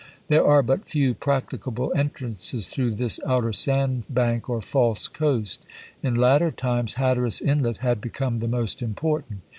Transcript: There are but few practicable entrances through this outer sand bank or false coast ; in latter times Hatteras Inlet had become the most important.